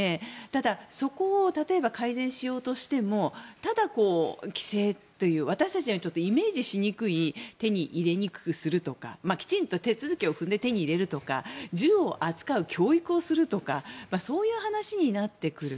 ただ、そこを例えば改善しようとしてもただ、規制という私たちにはイメージしにくい手に入れにくくするとかきちんと手続きを踏んで手に入れるとか銃を扱う教育をするとかそういう話になってくる。